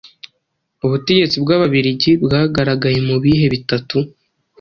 Ubutegetsi bw'Ababiligi bwagaragaye mu bihe bitatu